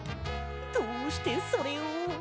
どうしてそれを？